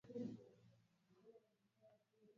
Kabila la Masai linaishi zaidi ya nchi moja